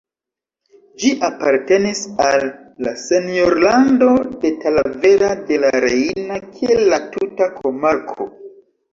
Ĝi apartenis al la senjorlando de Talavera de la Reina, kiel la tuta komarko.